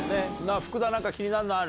福田、なんか気になるのある？